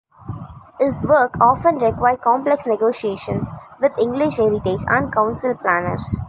His work often required complex negotiations with English Heritage and council planners.